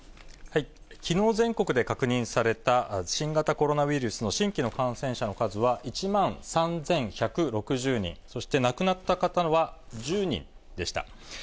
きのう、全国で確認された新型コロナウイルスの新規の感染者の数は１万３１６０人、そして亡くなった方は１０人でした。